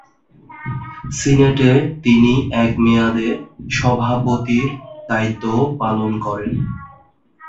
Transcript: সিনেটে তিনি এক মেয়াদে সভাপতির দায়িত্বও পালন করেন।